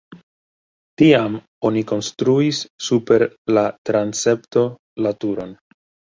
Tiam oni konstruis super la transepto la turon.